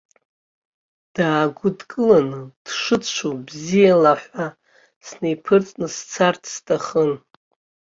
Даагәыдкыланы, дшыцәоу бзиала ҳәа снеиԥырҵны сцарц сҭахын.